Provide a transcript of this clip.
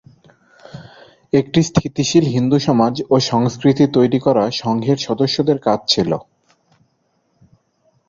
একটি স্থিতিশীল হিন্দু সমাজ ও সংস্কৃতি তৈরি করা সংঘের সদস্যদের কাজ ছিল।